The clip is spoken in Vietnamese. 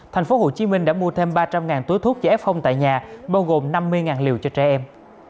tp hcm đã mua thêm ba trăm linh túi thuốc chữa phong tại nhà bao gồm năm mươi liều cho trẻ em